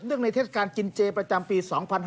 เนื่องในเทศกาลกินเจ๊ประจำปี๒๕๖๑